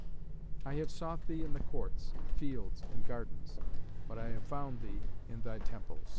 I have sought thee in the courts, fields, and gardens, but I have found thee in thy temples.